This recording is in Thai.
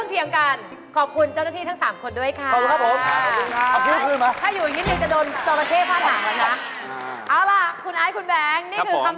พอผมถูกกว่า